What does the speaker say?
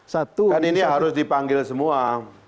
kan ini harus dipanggil semua